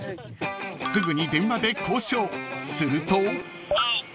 ［すぐに電話で交渉すると］